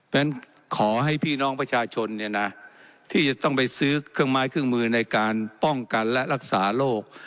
เพราะฉะนั้นขอให้พี่น้องประชาชนเนี่ยนะที่จะต้องไปซื้อเครื่องไม้เครื่องมือในการป้องกันและรักษาโรค